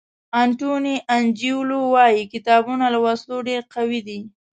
انټوني انجیلو وایي کتابونه له وسلو ډېر قوي دي.